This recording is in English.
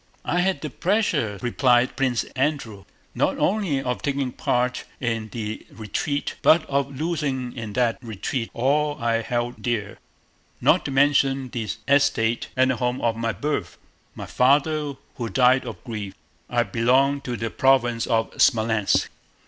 "I had the pleasure," replied Prince Andrew, "not only of taking part in the retreat but of losing in that retreat all I held dear—not to mention the estate and home of my birth—my father, who died of grief. I belong to the province of Smolénsk."